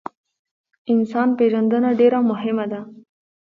انسان پیژندنه ډیره مهمه ده